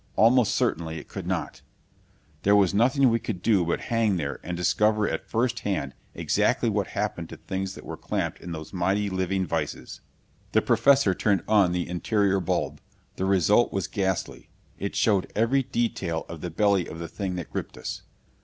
Almost certainly it could not! There was nothing we could do but hang there and discover at first hand exactly what happened to things that were clamped in those mighty, living vises! The Professor turned on the interior bulb. The result was ghastly. It showed every detail of the belly of the thing that gripped us.